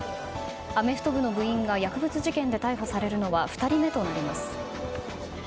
アメフト部の部員が薬物事件で逮捕されるのは２人目となります。